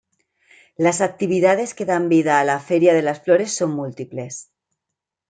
Las actividades que dan vida a la "Feria de las flores" son múltiples.